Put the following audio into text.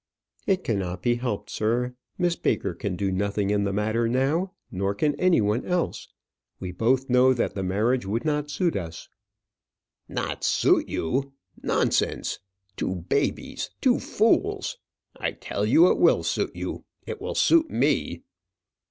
"It cannot be helped, sir. Miss Baker can do nothing in the matter now; nor can any one else. We both know that the marriage would not suit us." "Not suit you! nonsense. Two babies; two fools! I tell you it will suit you; it will suit me!"